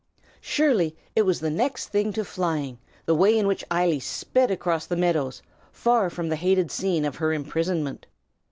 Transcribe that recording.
Surely it was the next thing to flying, the way in which Eily sped across the meadows, far from the hated scene of her imprisonment.